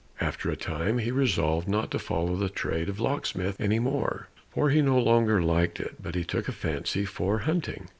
After a time he resolved not to follow the trade of locksmith any more, for he no longer liked it, but he took a fancy for hunting.